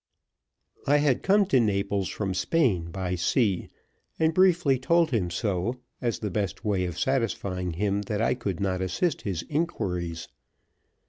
I had come to Naples from Spain by sea, and briefly told him so, as the best way of satisfying him that I could not assist his inquiries.